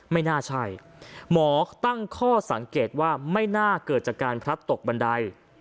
ไม่น่าใช่หมอตั้งข้อสังเกตว่าไม่น่าเกิดจากการพลัดตกบันได